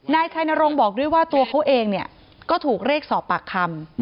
นายชัยนรงค์บอกด้วยว่าตัวเขาเองก็ถูกเรียกสอบปากคำ